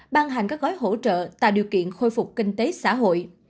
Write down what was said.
ban hành các gói hỗ trợ tạo điều kiện khôi phục kinh tế xã hội